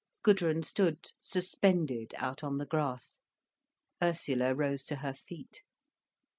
Gudrun stood suspended out on the grass, Ursula rose to her feet.